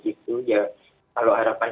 itu ya kalau harapan